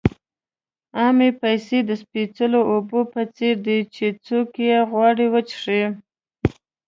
عامې پیسې د سپېڅلو اوبو په څېر دي چې څوک یې غواړي وڅښي.